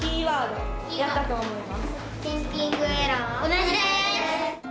同じです。